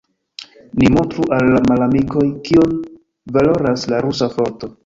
Ni montru al la malamikoj, kion valoras la rusa forto!